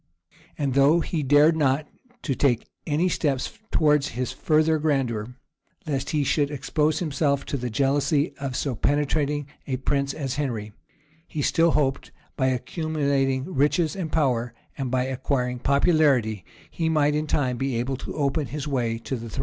[] And though he dared not to take any steps towards his further grandeur, lest he should expose himself to the jealousy of so penetrating a prince as Henry, he still hoped that, by accumulating riches and power, and by acquiring popularity, he might in time be able to open his way to the throne.